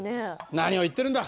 何を言ってるんだ。